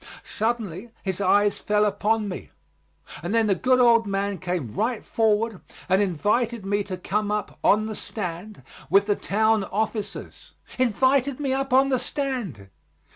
Suddenly his eyes fell upon me, and then the good old man came right forward and invited me to come up on the stand with the town officers. Invited me up on the stand!